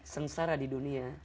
sengsara di dunia